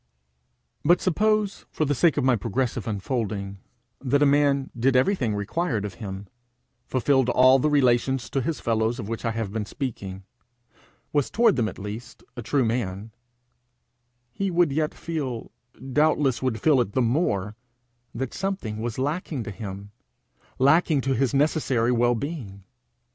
But suppose, for the sake of my progressive unfolding, that a man did everything required of him fulfilled all the relations to his fellows of which I have been speaking, was toward them at least, a true man; he would yet feel, doubtless would feel it the more, that something was lacking to him lacking to his necessary well being.